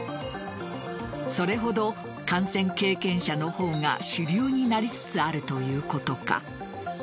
それほど感染経験者の方が主流になりつつあるということか。